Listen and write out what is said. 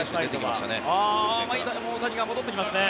大谷が戻ってきますね。